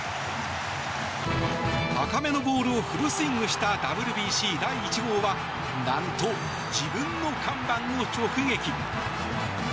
高めのボールをフルスイングしたＷＢＣ第１号は何と、自分の看板を直撃。